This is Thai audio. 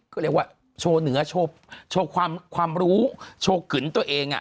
ก็เรียกว่าโชว์เหนือโชว์ความรู้โชว์ขึนตัวเอง